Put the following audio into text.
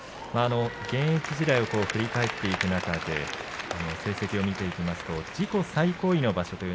現役時代を振り返っていく中で成績を見ていきますと自己最高位の場所